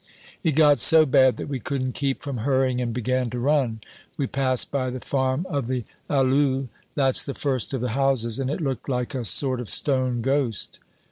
"It got so bad that we couldn't keep from hurrying and began to run. We passed by the farm of the Alleux that's the first of the houses and it looked like a sort of stone ghost.